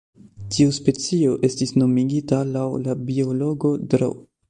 Tiu specio estis nomigita laŭ la biologo Dro.